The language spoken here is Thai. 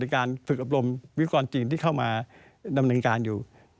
การฝึกอบรมวิกรจีนที่เข้ามาดำเนินการอยู่